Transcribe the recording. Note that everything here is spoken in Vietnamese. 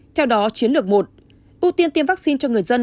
theo đó chiến lược một ưu tiên tiêm vaccine cho người dân